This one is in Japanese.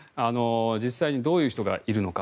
実際にどういう人がいるのか。